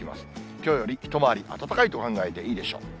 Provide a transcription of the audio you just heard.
きょうより一回り暖かいと考えていいでしょう。